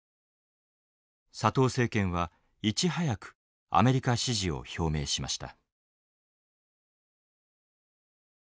佐藤政権はいち早くアメリカ支持を表明しました。